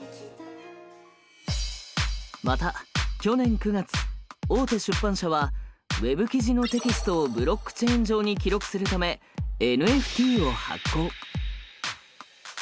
また去年９月大手出版社はＷｅｂ記事のテキストをブロックチェーン上に記録するためＮＦＴを発行。